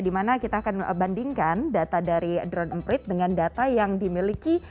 dimana kita akan bandingkan data dari drone emprit dengan data yang dimiliki